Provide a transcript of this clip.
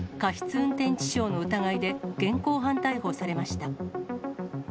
運転致傷の疑いで、現行犯逮捕されました。